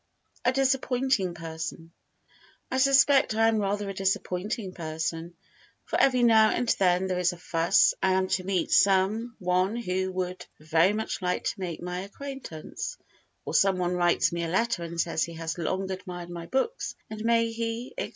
A Disappointing Person I suspect I am rather a disappointing person, for every now and then there is a fuss and I am to meet some one who would very much like to make my acquaintance, or some one writes me a letter and says he has long admired my books, and may he, etc.?